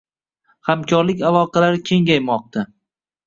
Hamkorlik aloqalari kengaymoqda